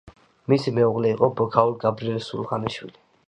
მისი მეუღლე იყო ბოქაული გაბრიელ სულხანიშვილი.